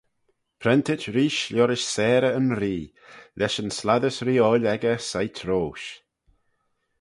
Prentit reesht liorish sarey yn Ree, lesh yn slattys reeoil echey soit roish.